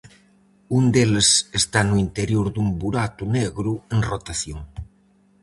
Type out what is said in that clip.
Un deles está no interior dun burato negro en rotación.